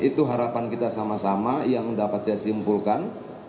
itu harapan kita sama sama yang dapat saya simpulkan